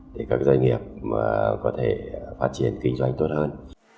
thì các doanh nghiệp có thể phát triển kinh doanh tốt hơn